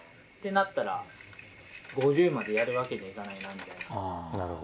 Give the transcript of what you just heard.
ってなったら５０までやるわけにはいかないなみたいな。